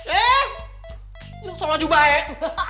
eh langsung aja baik